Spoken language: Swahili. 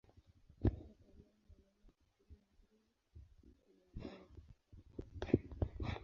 Wataalamu wanaona asili ya nguruwe kwenye mabara ya Afrika, Asia na Ulaya.